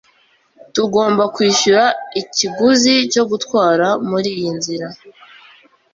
Tugomba kwishyura ikiguzi cyo gutwara muriyi nzira.